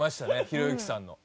ひろゆきさんの。